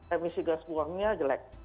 emisi gas buangnya jelek